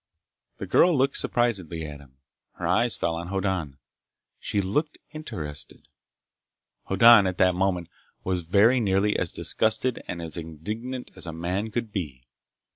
The girl looked surprisedly at him. Her eyes fell on Hoddan. She looked interested. Hoddan, at that moment, was very nearly as disgusted and as indignant as a man could be.